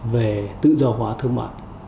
về tự do hóa thương mại